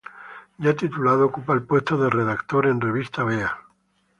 Ya titulado, ocupa el puesto de redactor en revista Vea.